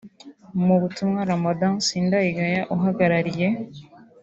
Mu butumwa Ramadhan Sindayigaya uhagarariye